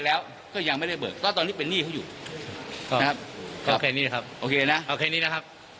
แต่ว่าพี่โจ้ไปคุยในข้างนอกหรือว่า